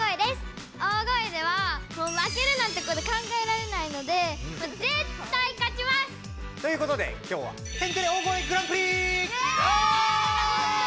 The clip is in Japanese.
大声ではまけるなんてこと考えられないのでぜったい勝ちます！ということで今日はイェーイ！